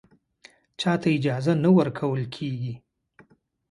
چا ته اجازه نه ورکول کېږي